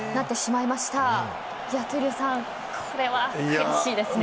いや闘莉王さんこれは悔しいですね。